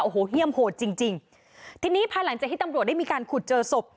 โอ้โหเฮี่ยมโหดจริงจริงทีนี้ภายหลังจากที่ตำรวจได้มีการขุดเจอศพ